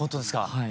はい。